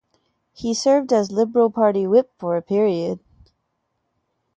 He served as Liberal Party whip for a period.